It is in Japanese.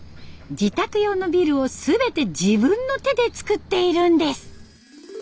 自宅用のビルを全て自分の手で造っているんです。